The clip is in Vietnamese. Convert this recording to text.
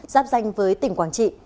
giáp danh với tỉnh quảng trị